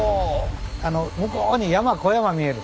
あの向こうに山小山見える。